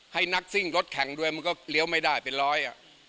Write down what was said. ให้นักซิ่งรถแข่งด้วยมันก็เลี้ยวไม่ได้เป็นร้อยอ่ะ